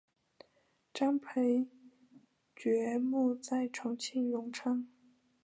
张培爵墓在重庆荣昌。